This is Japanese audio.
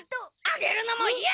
「あげる」のもいや！